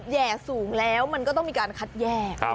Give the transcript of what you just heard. แห่สูงแล้วมันก็ต้องมีการคัดแยก